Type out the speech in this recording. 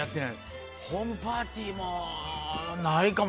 ホームパーティーもないかも。